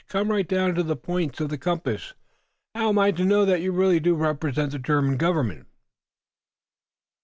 "Come right down to the points of the compass. How am I to know that you really do represent the German government?"